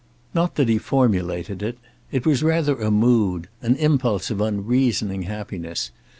Not that he formulated it. It was rather a mood, an impulse of unreasoning happiness.